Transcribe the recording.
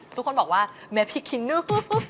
ทุกคนบอกว่าแม่พิกขี้หนู